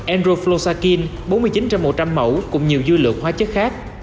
enroflosakin bốn mươi chín trong một trăm linh mẫu cũng nhiều dư lượng hóa chất khác